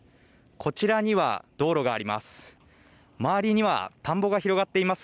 こちらには道路があります。